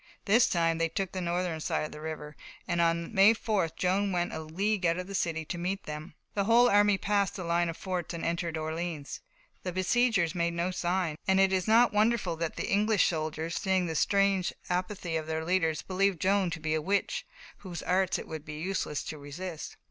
This time they took the northern side of the river, and on May 4th Joan went a league out of the city to meet them. The whole army passed the line of forts and entered Orleans. The besiegers made no sign, and it is not wonderful that the English soldiers, seeing that strange apathy of their leaders, believed Joan to be a witch, whose arts it would be useless to resist.